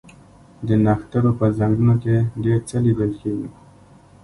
د نښترو په ځنګلونو کې ډیر څه لیدل کیږي